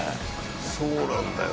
そうなんだよね。